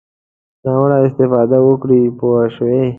ناوړه استفاده وکړي پوه شوې!.